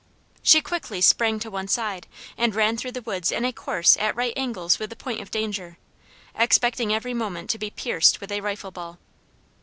She quickly sprang to one side and ran through the woods in a course at right angles with the point of danger, expecting every moment to be pierced with a rifle ball.